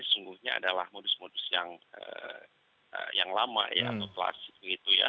sesungguhnya adalah modus modus yang lama ya atau kelas gitu ya